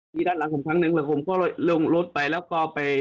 ที่ด้านหลังผมครั้งนึงแล้วผมก็ลงรถไปแล้วก็ไป